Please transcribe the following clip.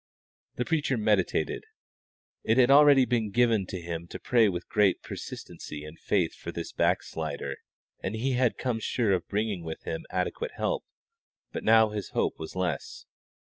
The preacher meditated. It had already been given to him to pray with great persistency and faith for this back slider, and he had come sure of bringing with him adequate help; but now his hope was less.